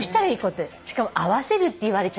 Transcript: しかも合わせるって言われちゃったらね。